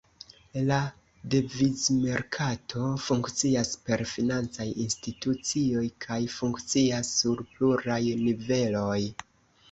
La devizmerkato funkcias per financaj institucioj kaj funkcias sur pluraj niveloj.